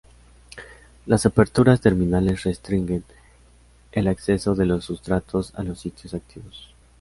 Las aperturas terminales restringen el acceso de los sustratos a los sitios activos.